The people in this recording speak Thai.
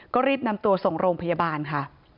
ก็รีบนำตัวส่งโรงพยาบาลค่ะ